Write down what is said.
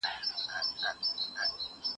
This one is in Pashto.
ته ولي ليکلي پاڼي ترتيب کوې؟